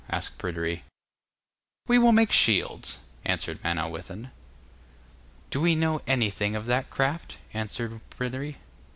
asked Pryderi. 'We will make shields,' answered Manawyddan. 'But do we know anything of that craft?' answered Pryderi.